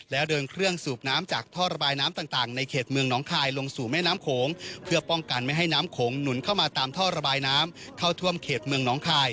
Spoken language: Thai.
แล้วเดินเครื่องสูบน้ำจากท่อระบายน้ำต่างในเขตเมืองน้องคายลงสู่แม่น้ำโขงเพื่อป้องกันไม่ให้น้ำโขงหนุนเข้ามาตามท่อระบายน้ำเข้าท่วมเขตเมืองน้องคาย